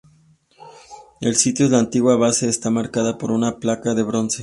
El sitio de la antigua base está marcado por una placa de bronce.